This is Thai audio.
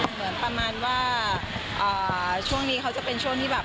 เหมือนประมาณว่าช่วงนี้เขาจะเป็นช่วงที่แบบ